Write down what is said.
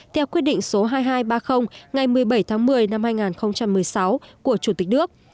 theo quyết định số hai nghìn hai trăm ba mươi ngày một mươi bảy tháng một mươi năm hai nghìn một mươi sáu của chủ tịch nước